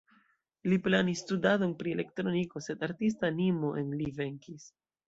Li planis studadon pri elektroniko, sed artista animo en li venkis.